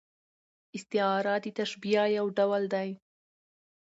استعاره د تشبیه یو ډول دئ.